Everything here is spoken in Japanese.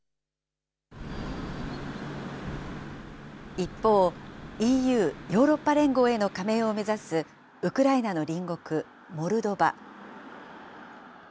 一方、ＥＵ・ヨーロッパ連合への加盟を目指すウクライナの隣国、モルドバ。